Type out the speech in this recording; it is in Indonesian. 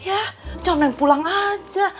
ya jangan pulang aja